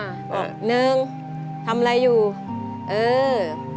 หนึ่งทำไรอยู่เออ